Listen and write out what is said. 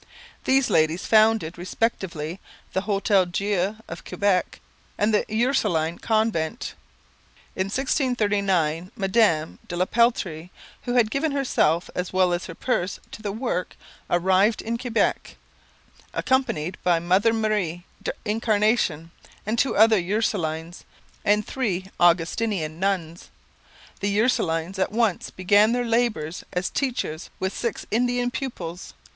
These ladies founded, respectively, the Hotel Dieu of Quebec and the Ursuline Convent. In 1639 Madame de la Peltrie, who had given herself as well as her purse to the work, arrived in Quebec, accompanied by Mother Marie de I'Incarnation and two other Ursulines and three Augustinian nuns. The Ursulines at once began their labours as teachers with six Indian pupils.